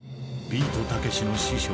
ビートたけしの師匠